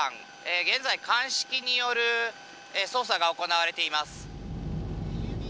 現在、鑑識による捜査が行われています。